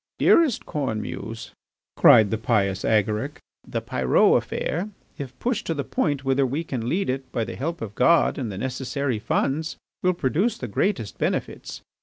"Dearest Cornemuse," cried the pious Agaric, "the Pyrot affair, if pushed to the point whither we can lead it by the help of God and the necessary funds, will produce the greatest benefits.